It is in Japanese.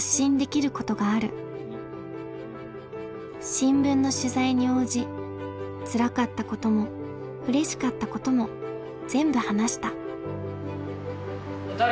新聞の取材に応じつらかったこともうれしかったことも全部話した。